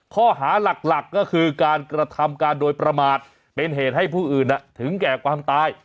ข้อหาหลักก็คือการกระทำการโดยประมาทเป็นเหตุให้ผู้อื่นถึงแก่ความตาย